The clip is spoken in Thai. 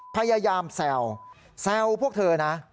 พยายามแซวแซวพวกเธอนะ